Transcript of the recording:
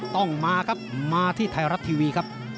ต้องมาครับมาที่ไทยรัฐทีวีครับ